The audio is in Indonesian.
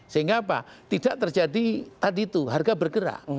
sehingga apa tidak terjadi tadi itu harga bergerak